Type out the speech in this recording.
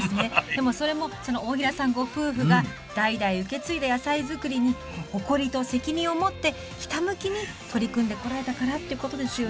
でもそれも大平さんご夫婦が代々受け継いだ野菜作りに誇りと責任を持ってひたむきに取り組んでこられたからってことですよね。